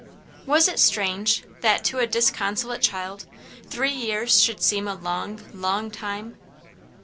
Was it strange that, to a disconsolate child, three years should seem a long, long time?